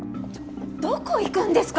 どこ行くんですか？